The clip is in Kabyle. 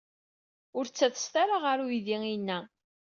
Ur ttadset ara ɣer uydi-inna.